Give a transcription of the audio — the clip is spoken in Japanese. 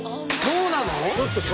そうなの？